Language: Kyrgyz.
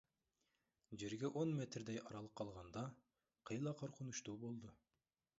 Жерге он метрдей аралык калганда кыйла коркунучтуу болду.